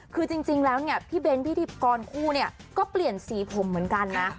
คือจริงแล้วเนี่ยพี่เบ้นพิธีกรคู่เนี่ยก็เปลี่ยนสีผมเหมือนกันนะ